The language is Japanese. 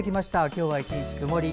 今日は１日曇り。